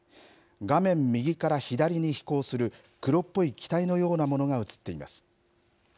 画面右から左に飛行する黒っぽい機体のようなものが写っています。